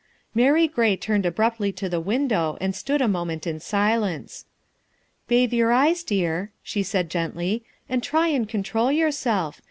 Mary Gray turned abruptly to the window and stood a moment in silence. " Bathe your eyes, dear," she said gently, " and try and control yourself.